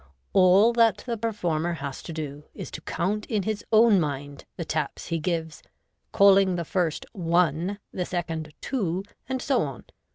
All that the performer has to do is to count in his own mind the taps he gives, calling the first " one," the second " two," and so on.